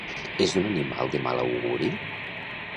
És un animal de mal auguri?